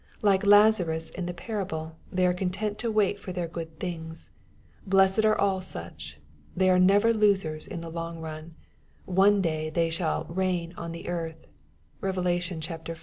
Like Lazarus in the parable, they are content to wait for their good things. Blessed are all such ! They are never losers in the long run. One day they shall " reign on the earth." (Bev. v.